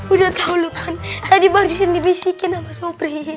udah tau lho tadi bang justin dibisikin sama sobri